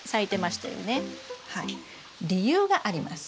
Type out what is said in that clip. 理由があります。